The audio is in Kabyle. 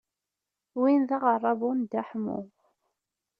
Win d aɣerrabu n Dda Ḥemmu.